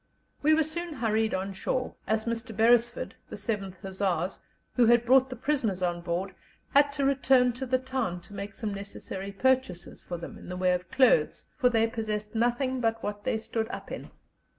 We were soon hurried on shore, as Mr. Beresford, the 7th Hussars, who had brought the prisoners on board, had to return to the town to make some necessary purchases for them, in the way of clothes, for they possessed nothing but what they stood up in.